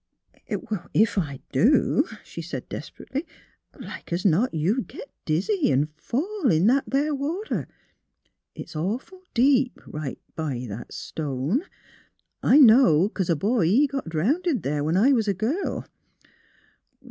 '' Ef I do," she said, desperately, " like es not you'd git dizzy an' fall in that there water. It's awful deep, right b' that stone. I know, 'cause a boy, he got drownded there, when I was a girl.